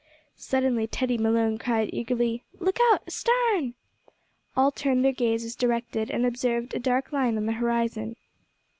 Suddenly Teddy Malone cried eagerly, "Look out astarn!" All turned their gaze as directed, and observed a dark line on the horizon.